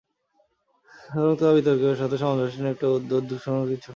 বরং তা বিতর্কের সাথে সামঞ্জস্যহীন একটা উদ্ভট দুষ্কর্ম ছাড়া কিছুই নয়।